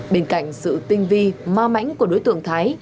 bên cạnh sự tinh vi ma mãnh của đối tượng thái